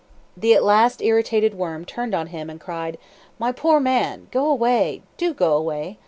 The at last irritated worm turned on him, and cried: "My poor man! go away! do go away!